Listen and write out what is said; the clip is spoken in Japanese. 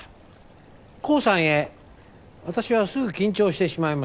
「航さんへ私はすぐ緊張してしまいます」